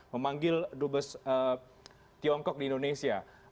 memanggil dubes tiongkok di indonesia